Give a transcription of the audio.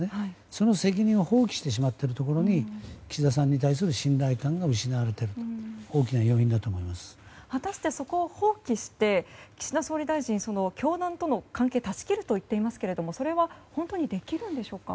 その責任を放棄してしまっているところに岸田さんに対する信頼感が失われているのが果たして、そこを放棄して岸田総理大臣、教団との関係を断ち切るといっていますがそれは本当にできるんでしょうか。